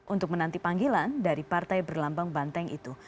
untuk menanti panggilan dari partai berlambang banteng itu